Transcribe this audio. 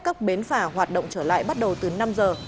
các bến phà hoạt động trở lại bắt đầu từ năm giờ